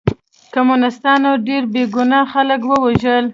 کمونستانو ډېر بې ګناه خلک ووژل